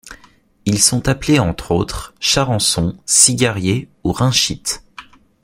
Ils sont appelés, entre autres, charançons, cigariers ou rhynchites.